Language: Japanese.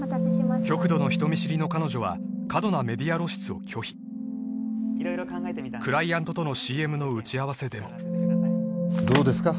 極度の人見知りの彼女は過度なメディア露出を拒否クライアントとのＣＭの打ち合わせでもどうですか？